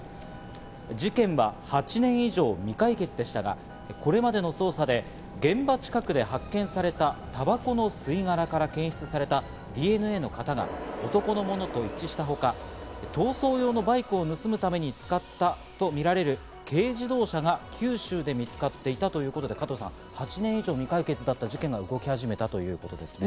事件は８年以上未解決でしたが、これまでの捜査で現場近くで発見されたタバコの吸い殻から検出されたＤＮＡの型が男のものと一致したほか、逃走用のバイクを盗むために使ったとみられる軽自動車が九州で見つかっていたということで、加藤さん、８年以上未解決だった事件が動き始めたということですね。